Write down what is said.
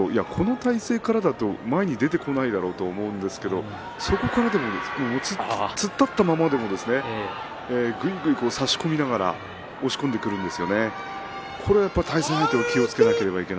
差し手が普通相手からするとこの体勢からだと前に出てこないだろうと思うんですがそこからも突っ張ったままぐいぐい押す、差し込みながら押し込んでくるんです。